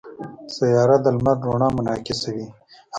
سیاره د لمر رڼا منعکسوي.